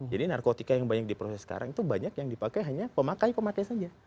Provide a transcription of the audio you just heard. jadi narkotika yang banyak diproses sekarang itu banyak yang dipakai hanya pemakai pemakai saja